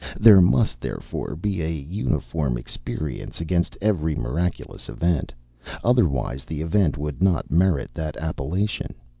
There must, therefore, be an uniform experience against every miraculous event, otherwise the event would not merit that appellation.